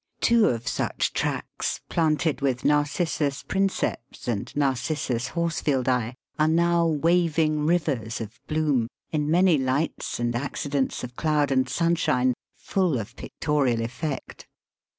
Two of such tracks, planted with Narcissus princeps and N. Horsfieldi, are now waving rivers of bloom, in many lights and accidents of cloud and sunshine full of pictorial effect.